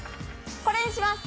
これにします。